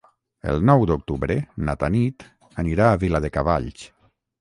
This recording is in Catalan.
El nou d'octubre na Tanit anirà a Viladecavalls.